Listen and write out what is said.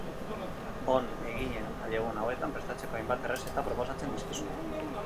On eginen jaiegun hauetan prestatzeko hainbat errezeta proposatzen dizkizugu.